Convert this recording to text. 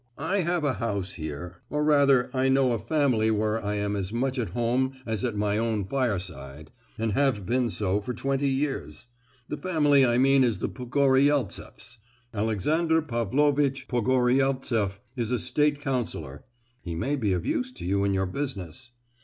I have a house here—or rather I know a family where I am as much at home as at my own fireside, and have been so for twenty years. The family I mean is the Pogoryeltseffs—Alexander Pavlovitch Pogoryeltseff is a state councillor (he may be of use to you in your business!)